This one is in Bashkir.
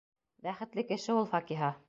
Бәхетле кеше ул Факиһа.